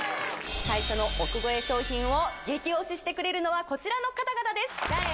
最初の億超え商品を激推ししてくれるのはこちらの方々です誰？